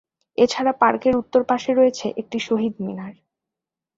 এছাড়া পার্কের উত্তর পাশে রয়েছে একটি শহীদ মিনার।